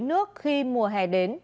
đối nước khi mùa hè đến